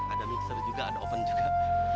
ada mixer juga ada oven juga